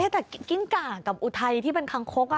แต่กิ้งก่ากับอุทัยที่เป็นคังคก